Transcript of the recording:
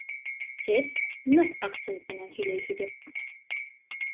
Һеҙ ныҡ акцент менән һөйләйһегеҙ.